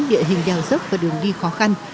địa hình đèo dốc và đường đi khó khăn